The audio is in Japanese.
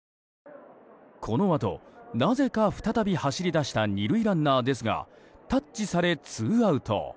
このあと、なぜか再び走り出した２塁ランナーですがタッチされ、ツーアウト。